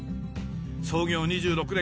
創業２６年。